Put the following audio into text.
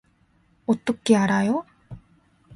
어떻게 알아요?